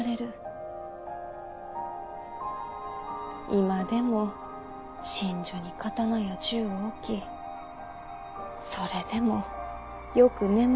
今でも寝所に刀や銃を置きそれでもよく眠れぬご様子。